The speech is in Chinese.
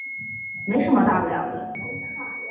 没什么大不了的